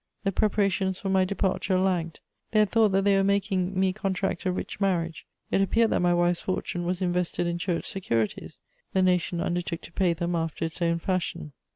The preparations for my departure lagged. They had thought that they were making me contract a rich marriage: it appeared that my wife's fortune was invested in Church securities; the nation undertook to pay them after its own fashion.